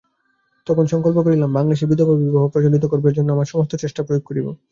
তখন সংকল্প করিলাম, বাংলাদেশে বিধবাবিবাহ প্রচলিত করিবার জন্য আমার সমস্ত চেষ্টা প্রয়োগ করিব।